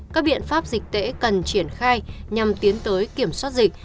các biện pháp dịch tễ cần triển khai nhằm tiến tới kiểm soát dịch